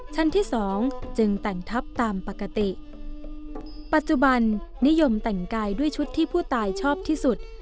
ที่สองจึงแต่งทับตามปกติปัจจุบันนิยมแต่งกายด้วยชุดที่ผู้ตายชอบที่สุด